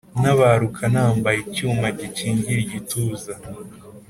Ntabaruka nambaye icyuma gikingira igituza